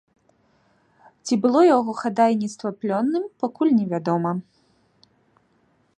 Ці было яго хадайніцтва плённым, пакуль невядома.